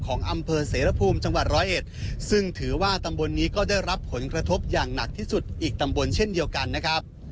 ของอำเภอเสรภูมิจังหวัดร้อยเอ็ดซึ่งถือว่าตำบลนี้ก็ได้รับผลกระทบอย่างหนักที่สุดอีกตำบลเช่นเดียวกันนะครับ